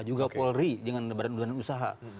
juga polri dengan badan usaha